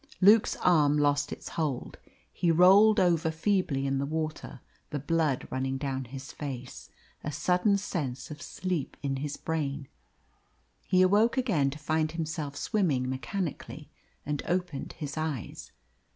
Luke's arm lost its hold; he rolled over feebly in the water, the blood running down his face, a sudden sense of sleep in his brain. He awoke again to find himself swimming mechanically, and opened his eyes.